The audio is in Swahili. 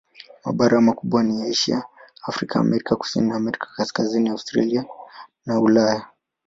Mabara makubwa ni Asia, Afrika, Amerika Kusini na Amerika Kaskazini, Australia na Ulaya.